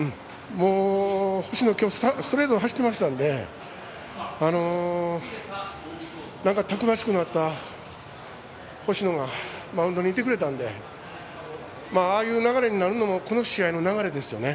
星野、今日ストレート走ってましたんでなんか、逞しくなった星野がマウンドにいてくれたんでああいう流れになるのもこの試合の流れですよね。